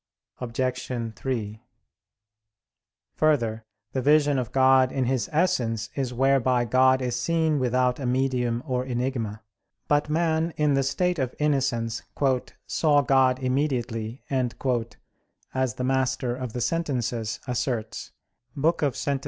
Obj. 3: Further, the vision of God in His Essence is whereby God is seen without a medium or enigma. But man in the state of innocence "saw God immediately," as the Master of the Sentences asserts (Sent.